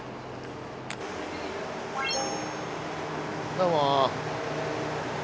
どうも。